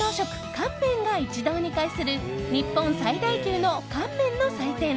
乾麺が一堂に会する日本最大級の乾麺の祭典